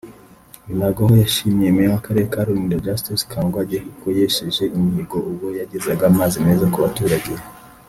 Binagwaho yashimiye Meya w’Akarere ka Rurindo Justus Kangwagye kuko yesheje imihigo ubwo yagezaga amazi meza kubaturage